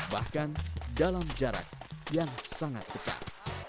bahkan dalam jarak yang sangat ketat